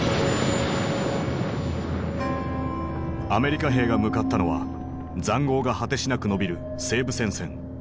アメリカ兵が向かったのは塹壕が果てしなく延びる西部戦線。